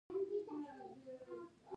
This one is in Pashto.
نه نه ايڅوک راسره نه و.